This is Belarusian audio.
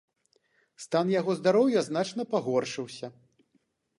Стан яго здароўя значна пагоршыўся.